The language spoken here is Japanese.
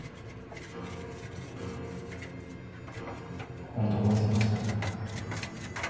ここんとこ忙しかったから。